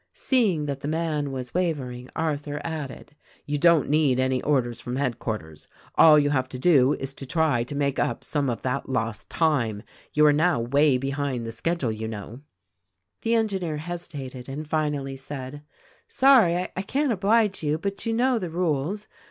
'" Seeing that the man was wavering Arthur added, "You don't need any orders from headquarters — all you have to do is to try to make up some of that lost time ; you are now way behind the schedule, you know," The engineer hesitated and finally said, "Sorry I can't oblige you, but you know the rides.